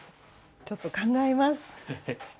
ちょっと考えます。